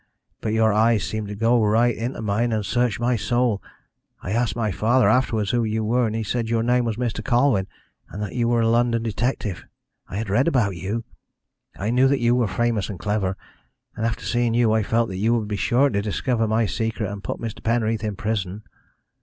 But your eyes seemed to go right into mine, and search my soul. I asked my father afterwards who you were, and he said your name was Mr. Colwyn, and that you were a London detective. I had read about you; I knew that you were famous and clever, and after seeing you I felt that you would be sure to discover my secret, and put Mr. Penreath in prison.